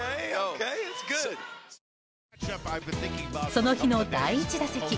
その日の第１打席。